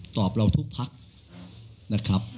เราทุกพักนะครับ